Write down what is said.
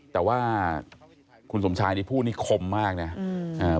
แต่ว่าคุณสมชายนี่พูดนี่คมมากนะ